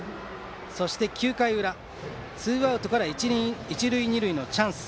そして９回裏、ツーアウトから一塁二塁のチャンス。